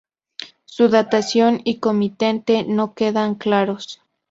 Su datación y comitente no quedan claros.